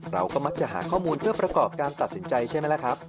เราก็มักจะหาข้อมูลเพื่อประกอบการตัดสินใจใช่ไหมล่ะครับ